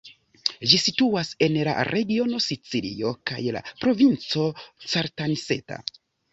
Ĝi situas en la regiono Sicilio kaj la provinco Caltanissetta.